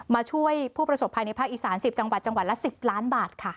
มาช่วยผู้ประสบภัยในภาคอีสาน๑๐จังหวัดจังหวัดละ๑๐ล้านบาทค่ะ